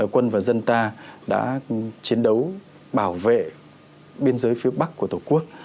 quân và dân ta đã chiến đấu bảo vệ biên giới phía bắc của tổ quốc